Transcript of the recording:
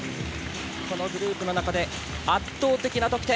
このグループの中で圧倒的な得点。